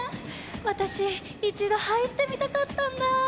わたしいちどはいってみたかったんだ。